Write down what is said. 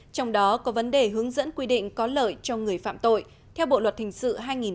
trong đó có vấn đề hướng dẫn quy định có lợi cho người phạm tội theo bộ luật hình sự hai nghìn một mươi năm